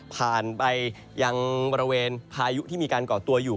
ผ่านไปยังบริเวณพายุที่มีการก่อตัวอยู่